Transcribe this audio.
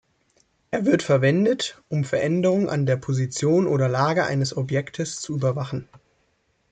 Er wird verwendet, um Veränderungen an der Position oder Lage eines Objektes zu überwachen.